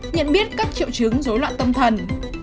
nhận biết các triệu chứng dối loạn tâm thần